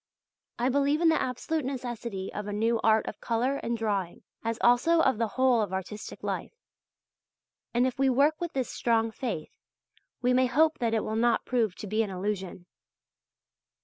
I believe in the absolute necessity of a new art of colour and drawing, as also of the whole of artistic life. And if we work with this strong faith, we may hope that it will not prove to be an illusion.